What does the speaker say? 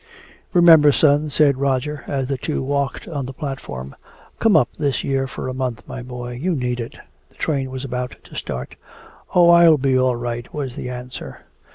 "Remember, son," said Roger, as the two walked on the platform. "Come up this year for a month, my boy. You need it." The train was about to start. "Oh, I'll be all right," was the answer.